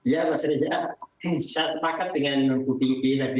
ya mas reza saya sepakat dengan ibu pinky tadi